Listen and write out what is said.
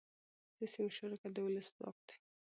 سیاسي مشارکت د ولس ځواک دی